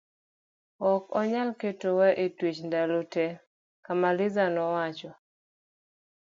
ok onyal keto wa e twech ndalo te, Kamaliza nowacho